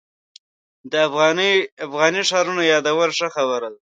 د افغاني ښارونو یادول ښه خبره ده.